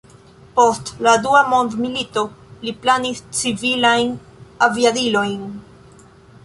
Post la dua mondmilito, li planis civilajn aviadilojn.